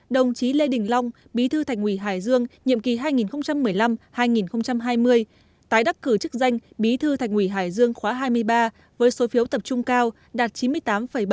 đồng chí lê đình long bí thư thành ủy hải dương nhiệm kỳ hai nghìn một mươi năm hai nghìn hai mươi tái đắc cử chức danh bí thư thành ủy hải dương khóa hai mươi ba với số phiếu tập trung cao đạt chín mươi tám bảy